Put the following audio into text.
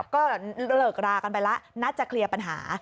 ก็เลิกรากันไปแล้วนัดจะเคลียร์ปัญหา